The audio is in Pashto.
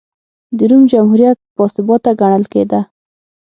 د روم جمهوریت باثباته ګڼل کېده.